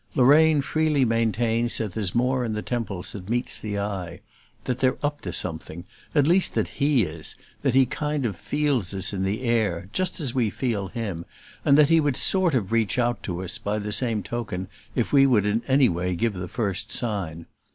Lorraine freely maintains that there's more in the Temples than meets the eye; that they're up to something, at least that HE is, that he kind of feels us in the air, just as we feel him, and that he would sort of reach out to us, by the same token, if we would in any way give the first sign.